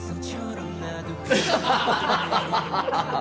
ハハハハ！